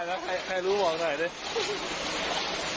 ได้นะใครรู้บอกหน่อยด้วย